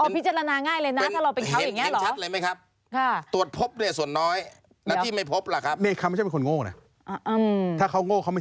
อ๋อพิจารณาง่ายเลยนะถ้าเราเป็นเขาอย่างเนี่ยเหรอ